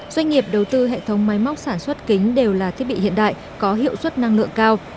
doanh nghiệp đầu tư hệ thống máy móc sản xuất kính đều là thiết bị hiện đại có hiệu suất năng lượng cao